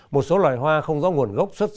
một số loại hoa không do nguồn gốc xuất xứ